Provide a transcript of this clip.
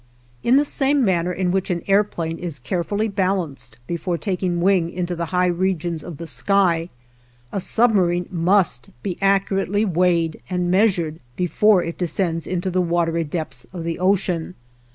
In the same manner in which an airplane is carefully balanced before taking wing into the high regions of the sky, a submarine must be accurately weighed and measured before it descends into the watery depths of the ocean.